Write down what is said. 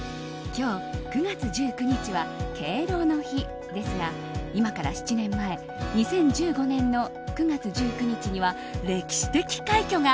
今日、９月１９日は敬老の日ですが今から７年前２０１５年の９月１９日には歴史的快挙が。